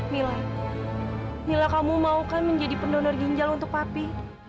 mila mila kamu maukan menjadi pendonor ginjal untuk papi